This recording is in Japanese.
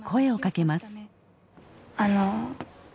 あの。